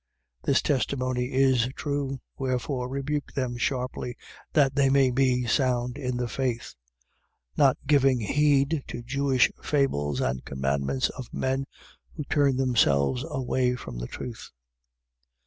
1:13. This testimony is true. Wherefore, rebuke them sharply, that they may be sound in the faith: 1:14. Not giving heed to Jewish fables and commandments of men who turn themselves away from the truth.